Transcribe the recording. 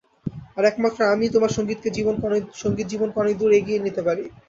আর একমাত্র আমিই তোমার সংগীত জীবনকে অনেক দূর এগিয়ে নিতে পারি।